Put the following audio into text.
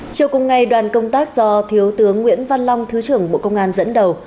chiều cùng ngày đoàn công tác do thiếu tướng nguyễn văn long thứ trưởng bộ công an dẫn đầu